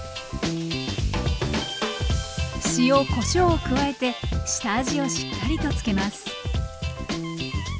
塩・こしょうを加えて下味をしっかりとつけます。